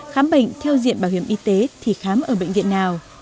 khám bệnh theo diện bảo hiểm y tế thì khám ở bệnh viện nào